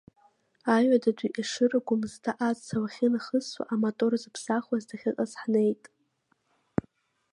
Аҩадатәи Ешыра Гәымсҭа ацҳа уахьынахысуа амотор зыԥсахуаз дахьыҟаз ҳнеит.